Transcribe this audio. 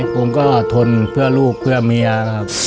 ผมก็ทนเพื่อลูกเพื่อเมียครับ